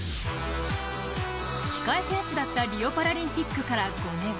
控え選手だったリオパラリンピックから５年。